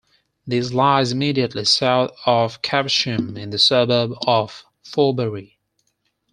This lies immediately south of Caversham in the suburb of Forbury.